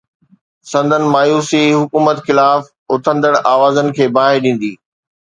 سندن مايوسي حڪومت خلاف اٿندڙ آوازن کي باهه ڏيندي.